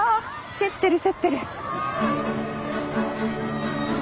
競ってる競ってる！